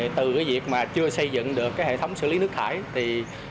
từ việc chưa xây dựng được hệ thống xử lý nước thải